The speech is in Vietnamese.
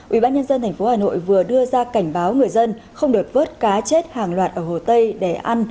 ubnd tp hà nội vừa đưa ra cảnh báo người dân không được vớt cá chết hàng loạt ở hồ tây để ăn